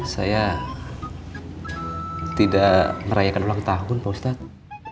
saya tidak merayakan ulang tahun pak ustadz